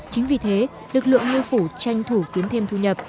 chính vì thế lực lượng ngư phủ tranh thủ kiếm thêm thu nhập